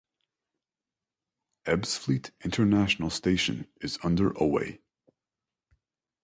Ebbsfleet International Station is under away.